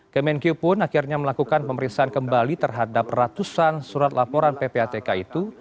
kemenku pun akhirnya melakukan pemeriksaan kembali terhadap ratusan surat laporan ppatk itu